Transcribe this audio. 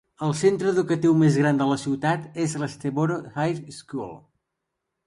El centre educatiu més gran de la ciutat és l'Statesboro High School.